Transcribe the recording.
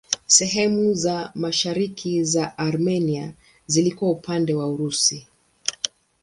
Sehemu za mashariki za Armenia zilikuwa upande wa Urusi.